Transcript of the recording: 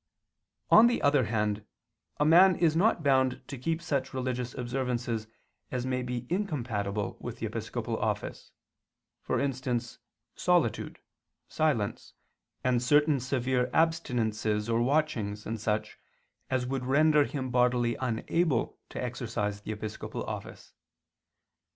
On the other hand, a man is not bound to keep such religious observances as may be incompatible with the episcopal office, for instance solitude, silence, and certain severe abstinences or watchings and such as would render him bodily unable to exercise the episcopal office.